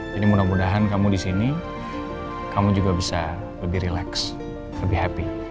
jadi mudah mudahan kamu di sini kamu juga bisa lebih relax lebih happy